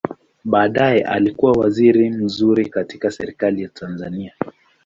Baadaye alikua waziri mzuri katika Serikali ya Tanzania.